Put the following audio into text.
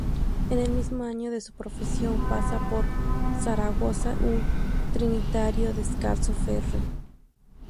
En el mismo año de su profesión pasa por Zaragoza un trinitario descalzo, fr.